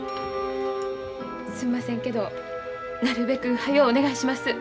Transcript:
すんませんけどなるべくはようお願いします。